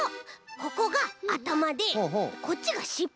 ここがあたまでこっちがしっぽ！